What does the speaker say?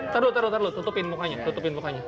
tunggu tunggu tunggu tutupin mukanya tutupin mukanya